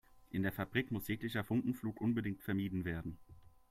In der Fabrik muss jeglicher Funkenflug unbedingt vermieden werden.